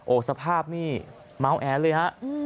โอ้สภาพนี่ม้าแอเลยครับ